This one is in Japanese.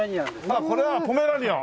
あっこれがポメラニアン！